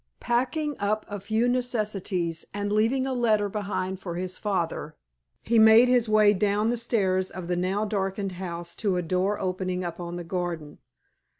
Packing up a few necessaries and leaving a letter behind him for his father, he made his way down the stairs of the now darkened house to a door opening upon the garden.